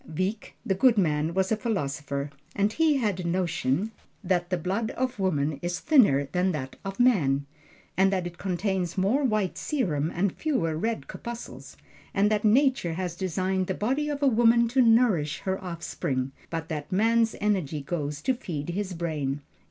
Wieck, the good man, was a philosopher, and he had a notion that the blood of woman is thinner than that of man that it contains more white serum and fewer red corpuscles, and that Nature has designed the body of a woman to nourish her offspring, but that man's energy goes to feed his brain.